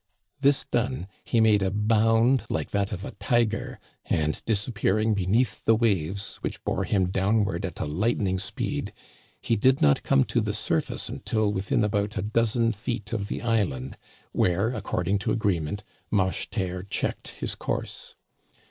This done, he made a bound like that of a tiger, and, disappearing beneath the waves, which bore him downward at lightning speed, he did not come to the surface until within about a dozen feet of the island, where, according to agreement, Marcheterre checked his course.